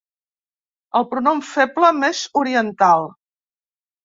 El pronom feble més oriental.